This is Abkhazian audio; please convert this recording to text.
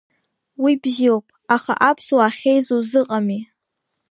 Уи бзиоуп, аха аԥсуаа ахьеизо узыҟами?